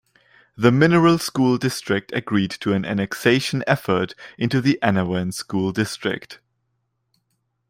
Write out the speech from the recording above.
The Mineral School District agreed to an annexation effort into the Annawan School District.